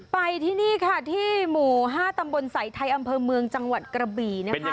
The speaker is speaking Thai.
ไปที่นี่ค่ะที่หมู่๕ตำบลสายไทยอำเภอเมืองจังหวัดกระบี่นะคะ